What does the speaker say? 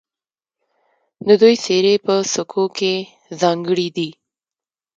د دوی څیرې په سکو کې ځانګړې دي